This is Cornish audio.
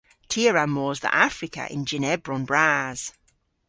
Ty a wra mos dhe Afrika yn jynn ebron bras.